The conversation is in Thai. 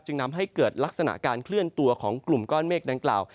นำให้เกิดลักษณะการเคลื่อนตัวของกลุ่มก้อนเมฆดังกล่าว